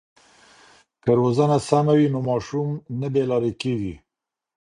که روزنه سمه وي نو ماشوم نه بې لارې کېږي.